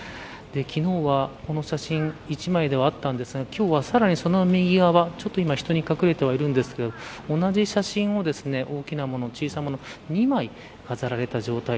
昨日は、この写真１枚ではあったんですが今日は、さらにその右側ちょっと人に隠れてはいるんですが同じ写真を大きなもの、小さなもの２枚飾られた状態。